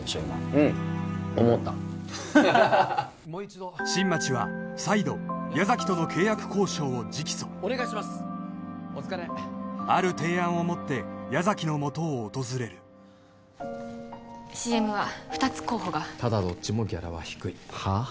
今うん思った新町は再度矢崎との契約交渉を直訴ある提案を持って矢崎のもとを訪れるＣＭは二つ候補がただどっちもギャラは低いはっ？